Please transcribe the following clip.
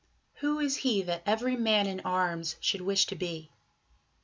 Who is he That every man in arms should wish to be?